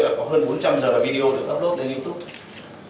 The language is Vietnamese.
và có hơn bốn trăm linh giờ video được upload lên youtube